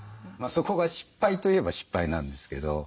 そこが失敗といえば失敗なんですけど。